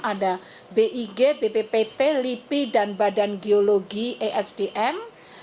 ada big bppt lipi dan badan geologi esdm